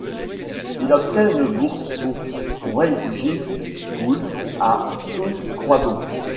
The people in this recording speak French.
Il obtient une bourse pour Whitgift School à South Croydon.